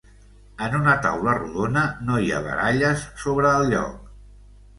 En una taula rodona no hi ha baralles sobre el lloc.